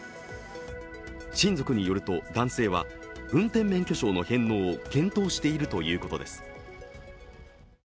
親族によると、男性は運転免許証の返納を検討しているということです。